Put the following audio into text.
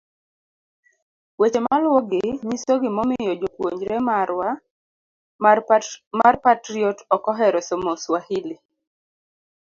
Weche maluwogi nyiso gimomiyo jopuonjre marwa mar Patriot ok ohero somo Swahili.